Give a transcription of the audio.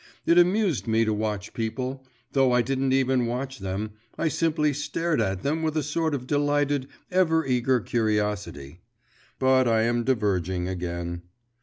It amused me to watch people … though I didn't even watch them I simply stared at them with a sort of delighted, ever eager curiosity. But I am diverging again.